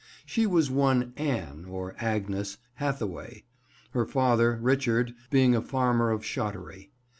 She was one Anne, or Agnes, Hathaway; her father, Richard, being a farmer of Shottery.